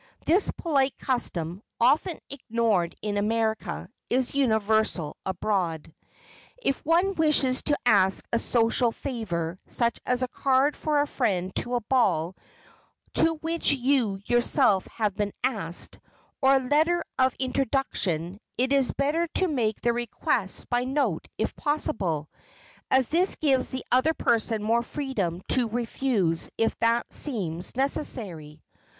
This polite custom, often ignored in America, is universal abroad. If one wishes to ask a social favor such as a card for a friend to a ball to which you yourself have been asked, or a letter of introduction, it is better to make the request by note if possible, as this gives the other person more freedom to refuse if that seems necessary.